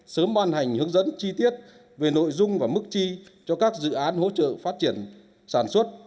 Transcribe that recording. sớm ban hành hướng dẫn chi tiết về nội dung và mức chi cho các dự án hỗ trợ phát triển sản xuất